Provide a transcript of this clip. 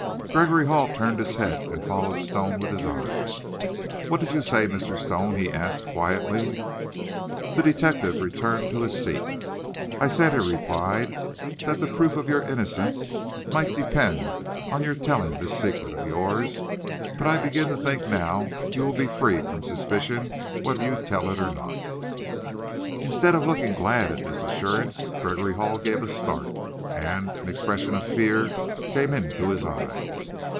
Gregory Hall turned his head, and followed Stone with his eyes. "What did you say, Mr. Stone?" he asked quietly. The detective returned to his seat. "I said," he replied, "that the proof of your innocence might depend on your telling this secret of yours. But I begin to think now you will be freed from suspicion whether you tell it or not." Instead of looking glad at this assurance, Gregory Hall gave a start, and an expression of fear came into his eyes.